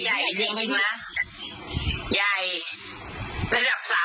ก็ไม่รู้ว่าฟ้าจะระแวงพอพานหรือเปล่า